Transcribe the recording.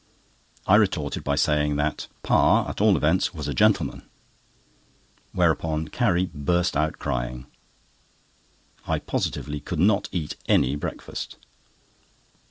I retorted by saying that "Pa, at all events, was a gentleman," whereupon Carrie burst out crying. I positively could not eat any breakfast.